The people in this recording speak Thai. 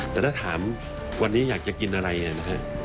แต่ถ้าถามวันนี้อยากจะกินอะไรนะฮะ